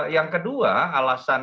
yang kedua alasan